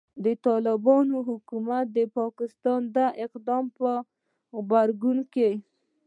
د طالبانو حکومت د پاکستان د دې اقدام په غبرګون کې